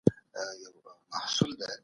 پناه غوښتونکي ته د امنيت ډاډ ورکړئ.